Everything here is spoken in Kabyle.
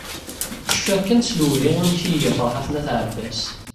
Cfiɣ kan s lewhi amek i iga Ferḥat n At Ɛebbas.